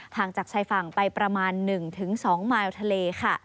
จากชายฝั่งไปประมาณ๑๒มายทะเลค่ะ